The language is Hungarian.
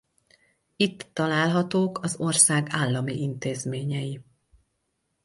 Itt találhatók az ország állami intézményei.